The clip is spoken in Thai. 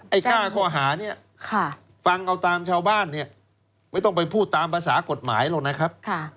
ไอ้๕ข้อหาเนี่ยฟังเอาตามชาวบ้านเนี่ยไม่ต้องไปพูดตามภาษากฎหมายหรอกนะครับ